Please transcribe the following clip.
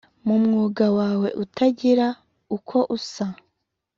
Mu mwuga wawe utagira uko usa